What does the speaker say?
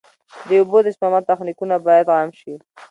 د اوبو د سپما تخنیکونه باید عام شي.